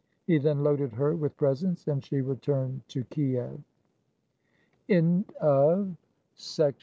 He then loaded her with presents, and she returned to Kiev.